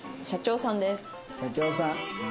社長さん。